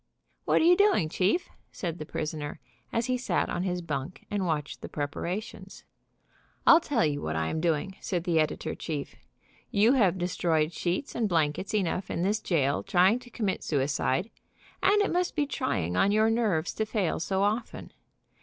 "What are you doing, chief?" said the prisoner, as he sat on his bunk and watched the preparations. "I'll tell you what I am doing," said the editor chief "You have destroyed sheets and blankets enough in this jail trying to commit suicide, and it must be trying on your nerves to fail so often.